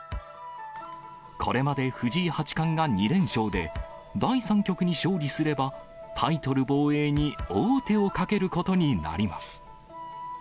これまで藤井八冠が２連勝で、第３局に勝利すれば、タイトル防衛に王手をかけることになります。